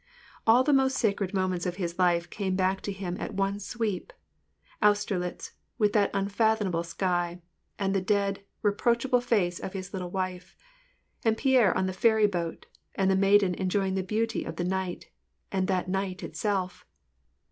All the most sacred moments of his life came back to him at one sweep, — Austerlitz, with that unfathomable sky, and the dead, reproach ful face of his little wife, and Pierre on the ferry boat, and the maiden enjoying the beauty of the night, and that night itself, WAR AND PEACE.